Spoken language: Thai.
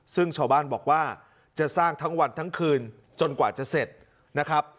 ซึ่งชาวบ้านบอกว่าจะสร้างทั้งวันทั้งคืนจนกว่าจะเสร็จนะครับ